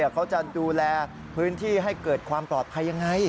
เขาจะดูแลพื้นที่ให้เกิดความปลอดภัยยังไง